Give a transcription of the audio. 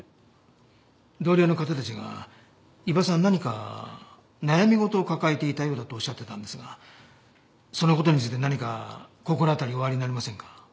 同僚の方たちが伊庭さん何か悩み事を抱えていたようだとおっしゃってたんですがその事について何か心当たりおありになりませんか？